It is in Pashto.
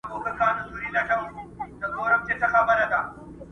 په دې هیله چي کامله مي ایمان سي،